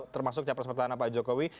termasuk capres pertahanan pak jokowi